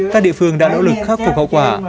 các địa phương đã nỗ lực khắc phục hậu quả